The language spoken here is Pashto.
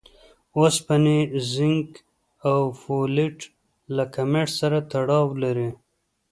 اوسپنې، زېنک او فولېټ له کمښت سره تړاو لري.